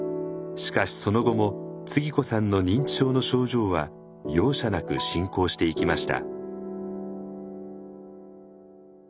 しかしその後もつぎ子さんの認知症の症状は容赦なく進行していきました。